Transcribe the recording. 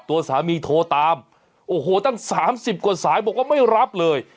ตัวสามีโทรตามโอ้โหตั้ง๓๐กว่าสายบอกว่าไม่รับเลย